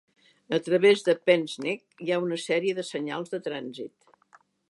A través de Penns Neck hi ha una sèrie de senyals de trànsit.